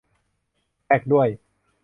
แท็กด้วย